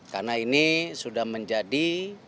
karena ini sudah menjadi